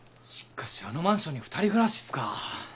しかしあのマンションに二人暮らしっすか。